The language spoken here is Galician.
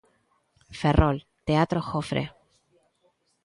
Ferrol, Teatro Jofre.